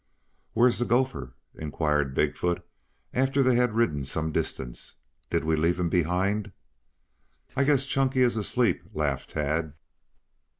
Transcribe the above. "Where's the gopher?" inquired Big foot, after they had ridden some distance. "Did we leave him behind?" "I guess Chunky is asleep," laughed Tad.